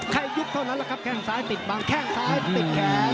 ยุบเท่านั้นแหละครับแข้งซ้ายติดบังแข้งซ้ายติดแขน